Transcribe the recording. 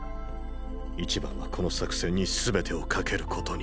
一番はこの作戦にすべてを懸けることに。